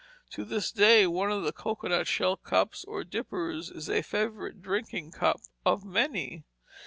To this day one of the cocoanut shell cups, or dippers, is a favorite drinking cup of many.